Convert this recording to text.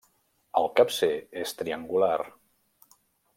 Al capcer és triangular.